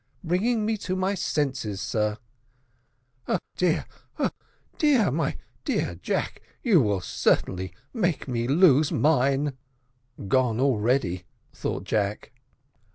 "Bringing me to my senses, sir." "Oh, dear, oh, dear! my dear Jack, you will certainly make me lose mine." "Gone already," thought Jack.